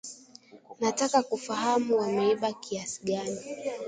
Nataka kufahamu wameiba kiasi gani